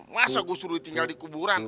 masa gue suruh tinggal di kuburan